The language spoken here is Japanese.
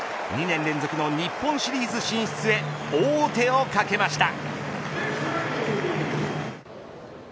２年連続の日本シリーズ進出へ王手をかけました。